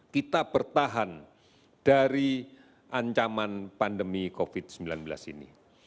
kita bertahan dari ancaman pandemi covid sembilan belas ini